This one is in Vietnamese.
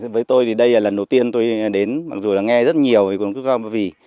với tôi thì đây là lần đầu tiên tôi đến mặc dù là nghe rất nhiều về vườn quốc gia ba vì